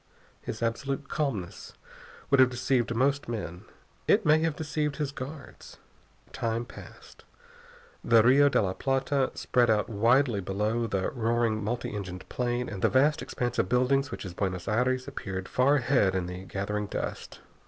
His absolute calmness would have deceived most men. It may have deceived his guards. Time passed. The Rio de la Plata spread out widely below the roaring multi engined plane and the vast expanse of buildings which is Buenos Aires appeared far ahead in the gathering dusk.